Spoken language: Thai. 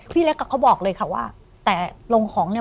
พี่เล็กกับเขาบอกเลยค่ะว่าแต่ลงของเนี่ย